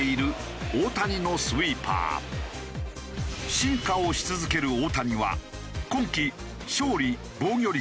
進化をし続ける大谷は今季勝利防御率